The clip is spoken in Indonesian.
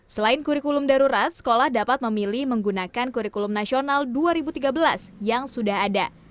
selain kurikulum darurat sekolah dapat memilih menggunakan kurikulum nasional dua ribu tiga belas yang sudah ada